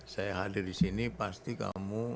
saya hadir disini pasti kamu